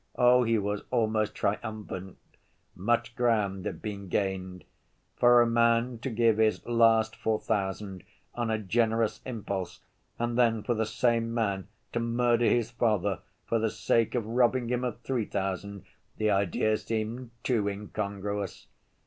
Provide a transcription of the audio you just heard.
Oh, he was almost triumphant! Much ground had been gained. For a man to give his last four thousand on a generous impulse and then for the same man to murder his father for the sake of robbing him of three thousand—the idea seemed too incongruous.